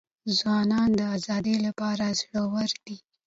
ځوانان د ازادۍ لپاره زړه ور دي.